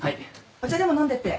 お茶でも飲んでって。